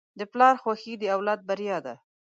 د پلار خوښي د اولاد بریا ده.